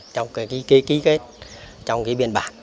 trong cái ký kết trong cái biên bản